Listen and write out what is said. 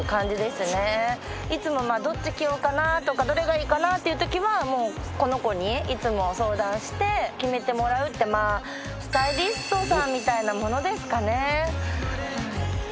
いつもどっち着ようかなとかどれがいいかなっていうときはもうこの子にいつも相談して決めてもらうってまぁスタイリストさんみたいなものですかね。